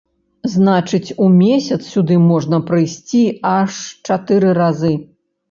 Значыць у месяц сюды можна прыйсці аж чатыры разы.